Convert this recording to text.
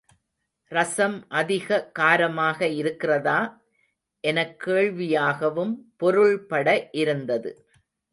ரசம் அதிக காரமாக இருக்கிறதா? எனக் கேள்வியாகவும் பொருள்பட இருந்தது.